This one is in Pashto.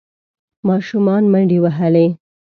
ماشومان منډې وهلې.